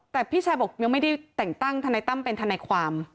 แต่พี่ชายบอกยังไม่ได้แต่งตั้งทนายตั้มเป็นทนายความ